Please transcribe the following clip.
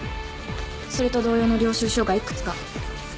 それと同様の領収書が幾つか。